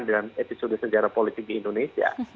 dengan episode sejarah politik di indonesia